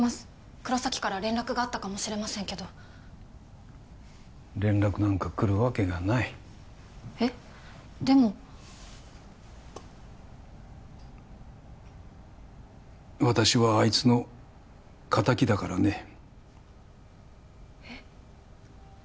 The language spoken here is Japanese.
黒崎から連絡があったかもしれませんけど連絡なんか来るわけがないえっでも私はあいつの仇だからねえっ？